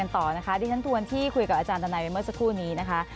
ต่อนะคะดิฉันทวนที่คุยกับอาจารย์ทนายไปเมื่อสักครู่นี้นะคะ